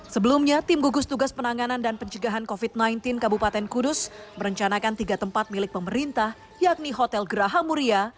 sebelumnya tim gugus tugas penanganan dan pencegahan covid sembilan belas kabupaten kudus merencanakan tiga tempat milik pemerintah yakni hotel geraha muria